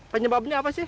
penyebabnya apa sih